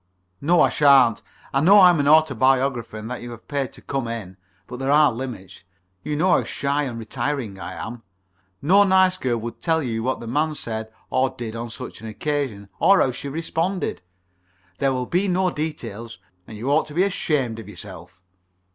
(No, I shan't. I know I'm an autobiographer and that you have paid to come in, but there are limits. You know how shy and retiring I am. No nice girl would tell you what the man said or did on such an occasion, or how she responded. There will be no details. And you ought to be ashamed of yourself.)